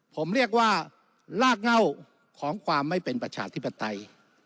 ผมเรียกว่าลากเง่าของความไม่เป็นประชาธิปไตย